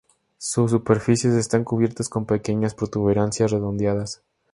Sus superficies están cubiertas con pequeñas protuberancias redondeadas.